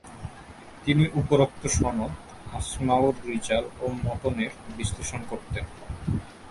তিনি উপরােক্ত সনদ, আসমাউর রিজাল ও মতনের বিশ্লেষণ করতেন।